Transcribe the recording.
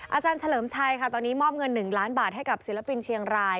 อาจารย์เฉลิมชัยค่ะตอนนี้มอบเงิน๑ล้านบาทให้กับศิลปินเชียงราย